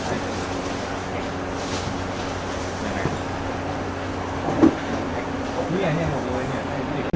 โรงเรียลนี่มีคุณครับ